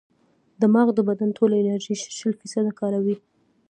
دماغ د بدن ټولې انرژي شل فیصده کاروي.